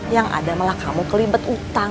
yang ada malah kamu kelibet utang